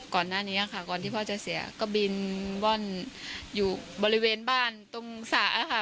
ก่อนหน้านี้ค่ะก่อนที่พ่อจะเสียก็บินว่อนอยู่บริเวณบ้านตรงสระค่ะ